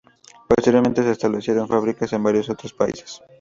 Posteriormente se establecieron fábricas en varios otros países.